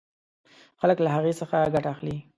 خلک له هغې څخه ګټه اخلي.